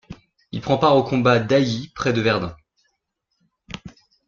Il prend part aux combats d’Ailly près de Verdun.